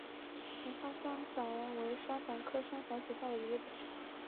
丛花山矾为山矾科山矾属下的一个种。